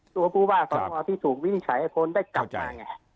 ตัวผู้บ้าสามารถที่ถูกวิ่งใช้ให้คนได้กลับมา